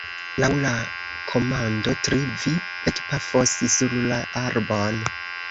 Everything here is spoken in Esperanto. Laŭ la komando « tri » vi ekpafos sur la arbon.